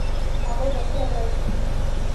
هغوی به کله راشي؟